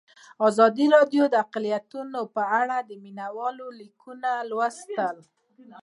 ازادي راډیو د اقلیتونه په اړه د مینه والو لیکونه لوستي.